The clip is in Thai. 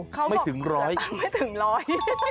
เค้าบอกเหลือตังค์ไม่ถึงร้อย